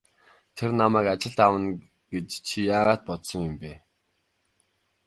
Тэр намайг ажилд авна гэж чи яагаад бодсон юм бэ?